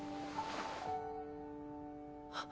あっ。